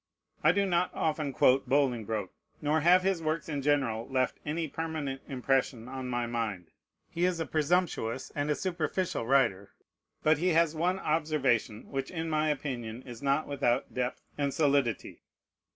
I do not often quote Bolingbroke, nor have his works in general left any permanent impression on my mind. He is a presumptuous and a superficial writer. But he has one observation which in my opinion is not without depth and solidity.